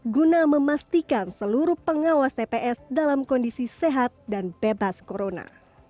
guna memastikan seluruh pengawas tps dalam kondisi sehat dan bebas corona